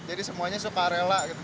jadi semuanya suka rela gitu